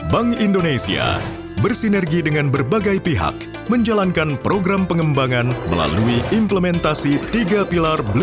bank indonesia bersinergi dengan berbagai pihak menjalankan program pengembangan melalui implementasi tiga pilar